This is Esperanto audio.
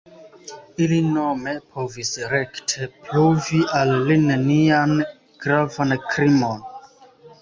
Ili nome povis rekte pruvi al li nenian gravan krimon.